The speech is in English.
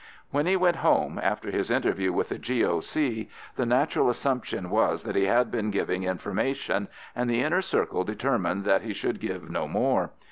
When he went home, after his interview with the G.O.C., the natural assumption was that he had been giving information, and the Inner Circle determined that he should give no more.